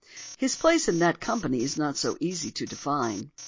His place in that company is not so easy to define.